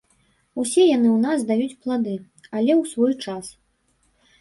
Усе яны ў нас даюць плады, але ў свой час.